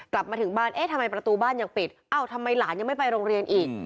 กลับมาถึงบ้านเอ๊ะทำไมประตูบ้านยังปิดเอ้าทำไมหลานยังไม่ไปโรงเรียนอีก